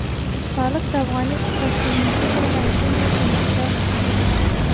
پالک د افغاني پخلنځي له لازمو سبزيجاتو څخه دی.